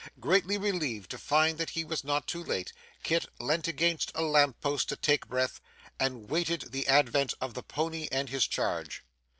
Greatly relieved to find that he was not too late, Kit leant against a lamp post to take breath, and waited the advent of the pony and his charge.